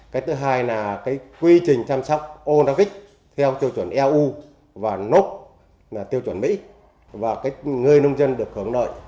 cái thứ hai là cái quy trình chăm sóc onavic theo tiêu chuẩn eu và noc là tiêu chuẩn mỹ và cái người nông dân được hưởng nợ